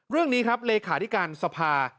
เรื่องนี้ครับเลขาธิการสภา